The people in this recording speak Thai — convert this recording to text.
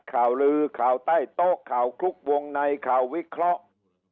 ข่าวลือข่าวใต้โต๊ะข่าวคลุกวงในข่าววิเคราะห์